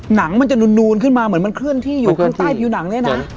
หนังมันจะนูนขึ้นมาเหมือนมันเคลื่อนที่อยู่ข้างใต้ผิวหนังเนี่ยนะ